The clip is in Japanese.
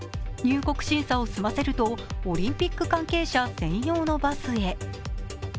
入国審査を済ませるとオリンピック関係者専用のバスへ。